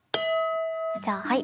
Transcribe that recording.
じゃあはい！